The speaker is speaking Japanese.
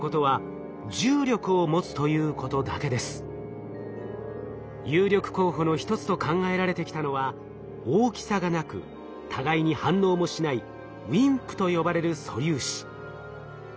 今観測で有力候補の一つと考えられてきたのは大きさがなく互いに反応もしないＷＩＭＰと呼ばれる素粒子。